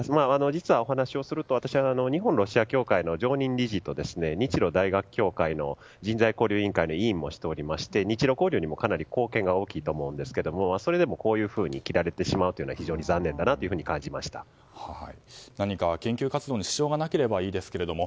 実はお話をすると日本のロシア協会の常任理事と日露大学協会の人材交流委員会の委員もしていまして日露交流にもかなり貢献が大きいと思うんですけどそれでもこういうふうに切られてしまうのは何か研究活動に支障がなければいいですけども。